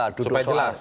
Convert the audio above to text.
duduk soal supaya jelas